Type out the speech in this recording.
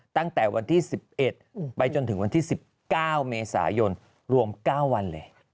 ตั้งแต่วันที่๑๑ไปจนถึงวันที่๑๙เมษายนรวม๙วันเลย